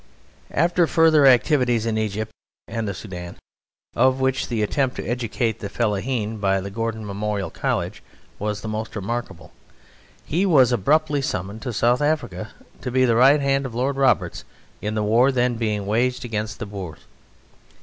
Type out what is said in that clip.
After further activities in Egypt and the Soudan, of which the attempt to educate the Fellaheen by the Gordon Memorial College was the most remarkable, he was abruptly summoned to South Africa to be the right hand of Lord Roberts in the war then being waged against the Boers.